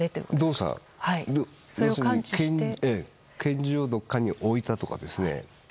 動作、要するに拳銃をどこかに置いたとかですね。